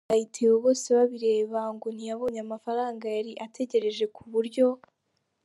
i Burayi Theo Bosebabireba ngo ntiyabonye amafaranga yari ategereje kuburyo.